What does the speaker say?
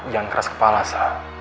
jangan keras kepala sa